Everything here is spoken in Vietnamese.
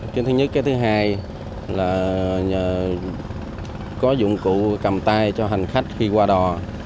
thứ nhất thứ hai là có dụng cụ cầm tay cho hành khách khi qua đò